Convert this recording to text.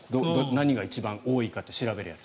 何が一番多いかと調べるやつ。